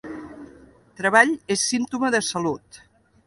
Treball és símptoma de salut.